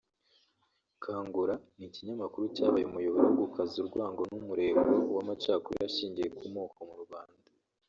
Kangura ni ikinyamakuru cyabaye umuyoboro wo gukaza urwango n’umurego w’amacakubiri ashingiye ku moko mu Rwanda